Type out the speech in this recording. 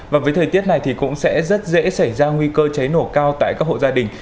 và với thời tiết này thì cũng sẽ rất dễ xảy ra nguy cơ cháy nổ cao tại các hộ gia đình